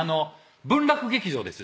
文楽劇場です